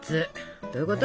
どういうこと？